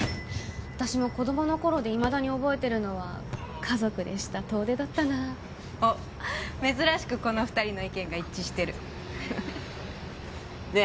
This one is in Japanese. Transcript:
私も子供の頃でいまだに覚えてるのは家族でした遠出だったなおっ珍しくこの２人の意見が一致してるねえ